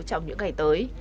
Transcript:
trong những ngày tới